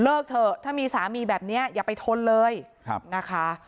เลิกเถอะถ้ามีสามีแบบเนี้ยอย่าไปทนเลยครับนะคะ